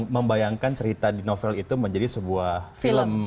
membayangkan cerita di novel itu menjadi sebuah film